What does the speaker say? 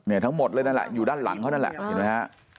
ทั้งหมดเลยนั่นแหละอยู่ด้านหลังเขานั่นแหละเห็นไหมฮะ